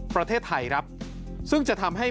ประเทศไทยครับซึ่งจะทำให้